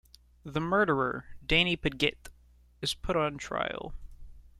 The murderer, Danny Padgitt, is put on trial.